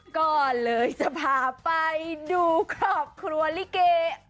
ก็เลยจะพาไปดูครอบครัวลิเก